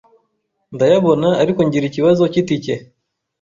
ndayabona ariko ngira ikibazo cy’itike